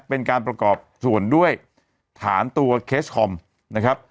เป็นการประกอบส่วนด้วยฐานตัวเคสคอมนะครับ